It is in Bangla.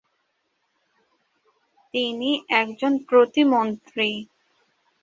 তিনি একজন প্রতিমন্ত্রী।